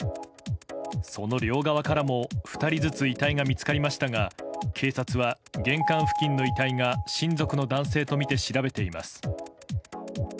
その両側からも２人ずつ遺体が見つかりましたが警察は、玄関付近の遺体が親族の男性とみて調べています。